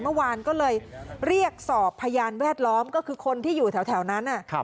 เมื่อวานก็เลยเรียกสอบพยานแวดล้อมก็คือคนที่อยู่แถวนั้น